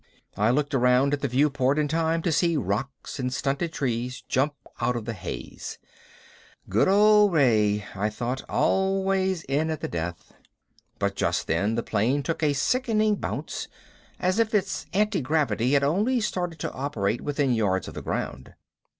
I looked around at the viewport in time to see rocks and stunted trees jump out of the haze. Good old Ray, I thought, always in at the death. But just then the plane took a sickening bounce, as if its antigravity had only started to operate within yards of the ground.